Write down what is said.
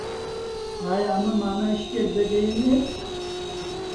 ئایا ئەمە مانای شتێک دەگەیەنێت؟